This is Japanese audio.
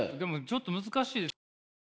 ちょっと難しいけどね。